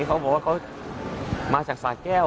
เขาบอกว่าเขามาจากสาแก้ว